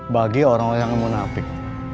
bagi orang yang munafik